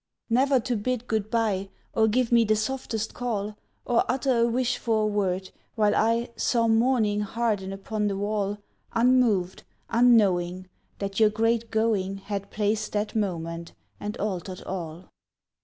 Never to bid good bye, Or give me the softest call, Or utter a wish for a word, while I Saw morning harden upon the wall, Unmoved, unknowing That your great going Had place that moment, and altered all.